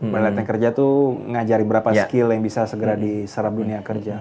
pada latihan kerja tuh ngajari berapa skill yang bisa segera diserap dunia kerja